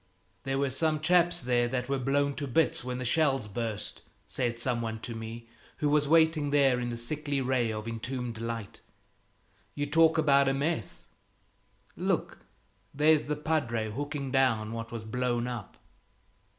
"There were some chaps there that were blown to bits when the shells burst," said some one to me who was waiting there in the sickly ray of entombed light. "You talk about a mess! Look, there's the padre hooking down what was blown up."